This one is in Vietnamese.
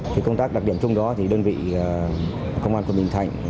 thì công tác đặc điểm chung đó thì đơn vị công an của bình thạnh